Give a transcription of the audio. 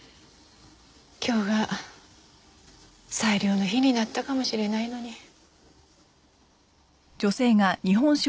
今日が最良の日になったかもしれないのに。